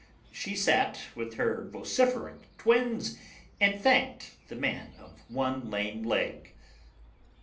She sat, with her vociferant Twins, And thanked the man of One Lame Leg.